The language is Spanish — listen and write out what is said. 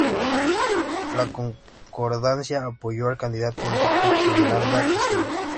La Concordancia apoyó al candidato Enrique Peñaranda Castillo.